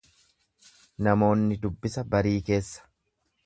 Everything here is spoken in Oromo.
Namoonni dubbisa barii keessa.